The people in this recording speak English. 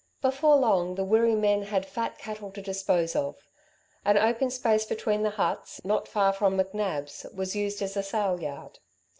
Before long, the Wirree men had fat cattle to dispose of. An open space between the huts, not far from McNab's, was used as a sale yard.